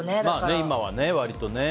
今は割とね。